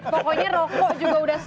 pokoknya rokok juga sudah stop ya